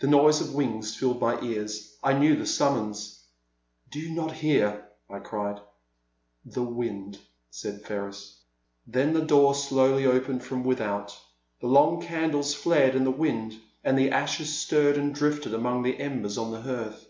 The noise of wings filled my ears. I knew the summons. Do you not hear ?" I cried. The wind,'* said Ferris. Then the door slowly opened from without, the long candles flared in the wind, and the ashes stirred and drifted among the embers on the hearth.